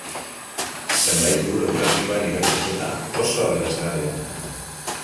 Zenbait liburu klasikoen irakurketa oso aberasgarria da.